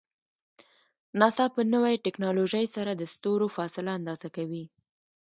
ناسا په نوی ټکنالوژۍ سره د ستورو فاصله اندازه کوي.